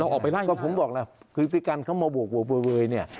เราออกไปไล่ไม่ได้ก็ผมบอกล่ะคือติดการเขามาบวกเวยเนี่ย